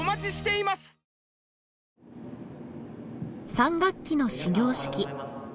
３学期の始業式。